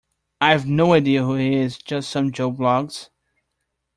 I've no idea who he is: just some Joe Bloggs